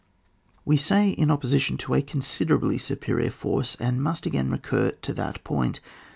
We say, in opposition to a considerahlf superior forcdy and must again recur to that point.